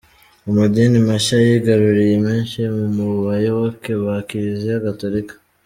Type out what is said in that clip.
Amadini mashya yigaruriye benshi mu bayoboke ba Kiliziya Gatolika.